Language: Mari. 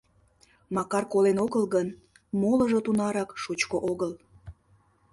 Макар колен огыл гын, молыжо тунарак шучко огыл.